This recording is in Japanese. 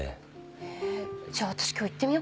えじゃあ私今日行ってみようかな。